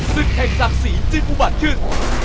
ซึ่งแข่งศักดิ์สีจิปุบัติขึ้น